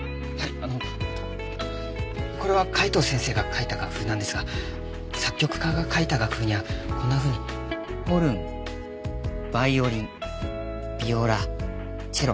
あのこれは海東先生が書いた楽譜なんですが作曲家が書いた楽譜にはこんなふうにホルンバイオリンビオラチェロ。